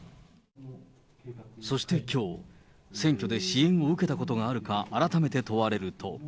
そしてきょう、選挙で支援を受けたことがあるか、改めて問われると。